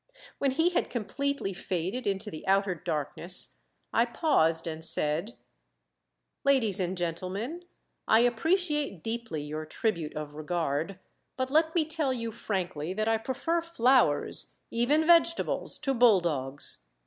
When he had completely faded into the outer darkness I paused and said: "Ladies and Gentlemen, I appreciate deeply your tribute of regard; but let me tell you frankly that I prefer flowers, even vegetables, to bulldogs.